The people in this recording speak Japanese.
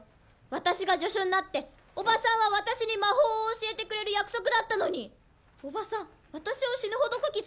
私が助手になっておばさんは私に魔法を教えてくれる約束だったのにおばさん私を死ぬほどこき使ってるだけじゃない！